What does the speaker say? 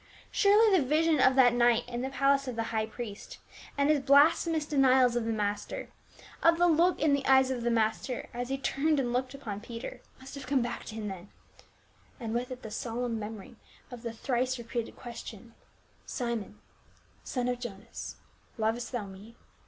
Surely the vision of that night in the palace of the high priest, and his blasphemous denials of the Mas ter ; of the look in the eyes of that Master, as " he turned and looked upon Peter," must have come back to him then, and with it the solemn memory of the tlirice repeated question, "Simon, son of Jonas, lovest thou me